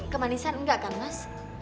kemanisan enggak kan mas